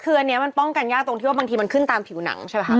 คืออันนี้มันป้องกันยากตรงที่ว่าบางทีมันขึ้นตามผิวหนังใช่ไหมครับ